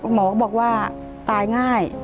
หมอก็บอกว่าตายง่าย